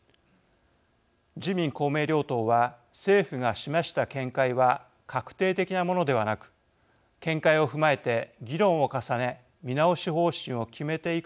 自民・公明両党は政府が示した見解は確定的なものではなく見解を踏まえて議論を重ね見直し方針を決めていくとしています。